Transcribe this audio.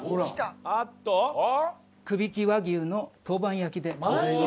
くびき和牛の陶板焼きでございます。